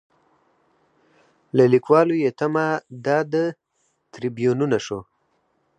له لیکوالو یې تمه دا ده تریبیونونه شو.